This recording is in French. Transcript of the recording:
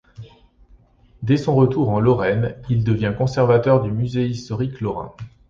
Dès son retour en Lorraine, il devient conservateur du Musée historique lorrain.